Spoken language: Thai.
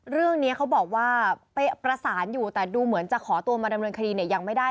เรื่องนี้เขาบอกว่าไปประสานอยู่แต่ดูเหมือนจะขอตัวมาดำเนินคดีเนี่ยยังไม่ได้